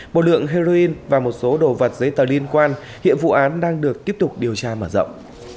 một lượng heroin và một số đồ vật giấy tờ liên quan hiện vụ án đang được tiếp tục điều tra mở rộng